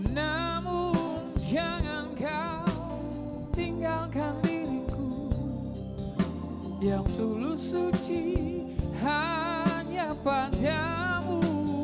namun jangan kau tinggalkan diriku yang tulus suci hanya padamu